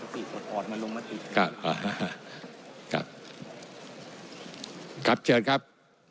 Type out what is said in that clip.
ปกติกดออดมันลงมาถึงครับครับครับเชิญครับ